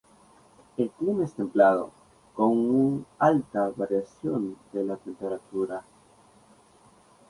El clima es templado, con un alta variación de la temperatura.